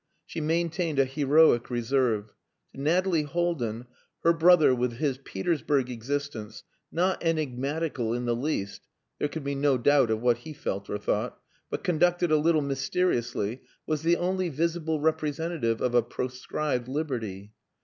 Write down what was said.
She maintained a heroic reserve. To Nathalie Haldin, her brother with his Petersburg existence, not enigmatical in the least (there could be no doubt of what he felt or thought) but conducted a little mysteriously, was the only visible representative of a proscribed liberty.